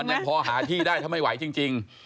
ยังพอหาที่ได้ถ้าไม่ไหวจริง